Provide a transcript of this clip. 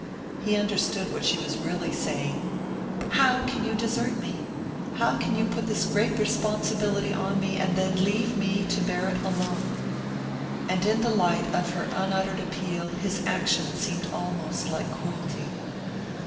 He understood what she was really saying: "How can you desert me? How can you put this great responsibility on me, and then leave me to bear it alone?" and in the light of her unuttered appeal his action seemed almost like cruelty.